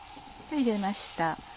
入れました。